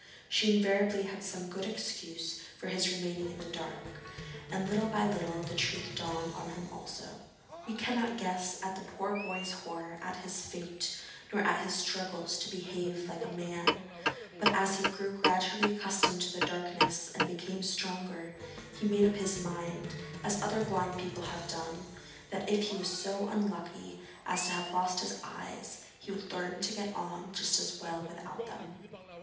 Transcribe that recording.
She invariably had some good excuse for his remaining in the dark, and little by little the truth dawned on him also. We cannot guess at the poor boy's horror at his fate, nor at his struggles to behave like a man, but as he grew gradually accustomed to his darkness and became stronger, he made up his mind, as other blind people have done, that if he was so unlucky as to have lost his eyes, he would learn to get on just as well without them.